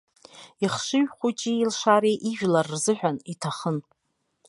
Ихшыҩ хәыҷи илшареи ижәлар рзыҳәан иҭахын.